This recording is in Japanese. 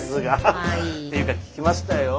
ていうか聞きましたよ